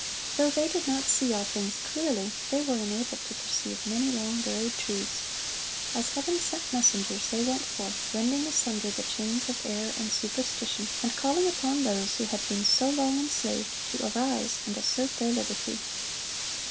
Though they did not see all things clearly, they were enabled to perceive many long buried truths. As Heaven sent messengers they went forth, rending asunder the chains of error and superstition, and calling upon those who had been so long enslaved, to arise and assert their liberty.